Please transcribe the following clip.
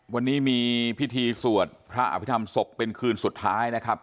วันนี้มีพิธีสวดพระอภิษฐรรมศพเป็นคืนสุดท้ายนะครับ